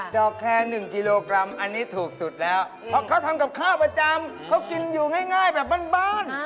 อกแคร์๑กิโลกรัมอันนี้ถูกสุดแล้วเพราะเขาทำกับข้าวประจำเขากินอยู่ง่ายแบบบ้าน